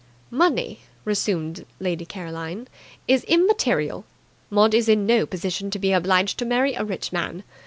"Money," resumed Lady Caroline, "is immaterial. Maud is in no position to be obliged to marry a rich man.